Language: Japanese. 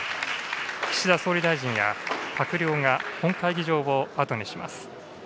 岸田総理大臣や閣僚が本会議場をあとにします。